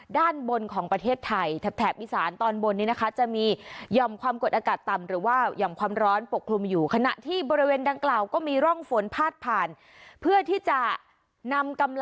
ด้านบนของประเทศไทยแถบอีสานตอนบนนี้นะคะ